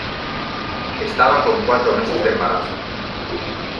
Estaba con cuatro meses de embarazo.